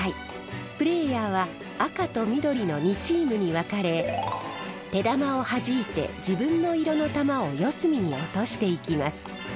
プレーヤーは赤と緑の２チームに分かれ手玉をはじいて自分の色の玉を四隅に落としていきます。